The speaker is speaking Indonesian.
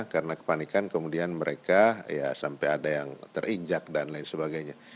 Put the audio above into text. karena kepanikan kemudian mereka ya sampai ada yang terinjak dan lain sebagainya